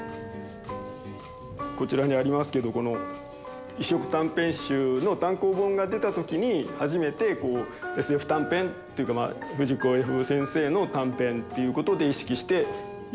こちらにありますけどこの異色短編集の単行本が出た時に初めてＳＦ短編っていうか藤子・Ｆ先生の短編っていうことで意識して読んだのがこちらですね。